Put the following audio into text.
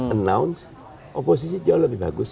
announce oposisi jauh lebih bagus